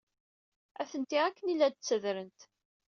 Atenti akken ay la d-ttadrent.